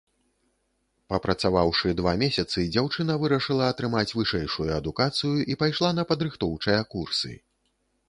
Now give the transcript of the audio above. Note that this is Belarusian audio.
Папрацаваўшы два месяцы, дзяўчына вырашыла атрымаць вышэйшую адукацыю і пайшла на падрыхтоўчыя курсы.